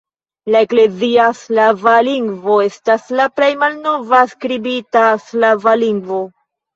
La eklezia slava lingvo estas la plej malnova skribita slava lingvo.